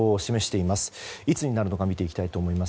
いつになるのか見ていきたいと思います。